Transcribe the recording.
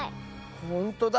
ほんとだ。